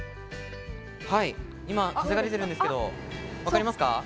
今、風が出ているんですけれどわかりますか？